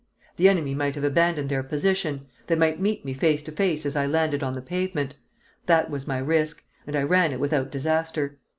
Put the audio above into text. The enemy might have abandoned their position, they might meet me face to face as I landed on the pavement; that was my risk, and I ran it without disaster.